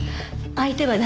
相手は誰？